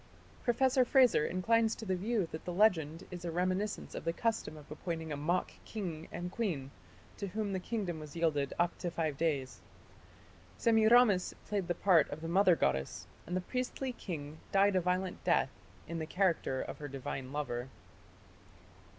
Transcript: Professor Frazer inclines to the view that the legend is a reminiscence of the custom of appointing a mock king and queen to whom the kingdom was yielded up for five days. Semiramis played the part of the mother goddess, and the priestly king died a violent death in the character of her divine lover.